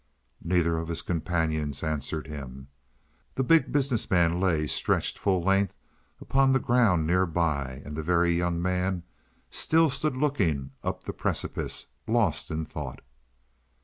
Neither of his companions answered him. The Big Business Man lay stretched full length upon the ground near by, and the Very Young Man still stood looking up the precipice, lost in thought.